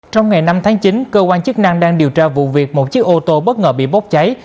trong ngày năm tháng chín cơ quan chức năng đang điều tra vụ việc một chiếc ô tô bất ngờ bị bốc cháy